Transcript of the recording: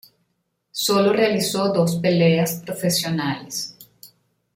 Solo realizó dos peleas profesionales.